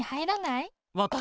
わたしが？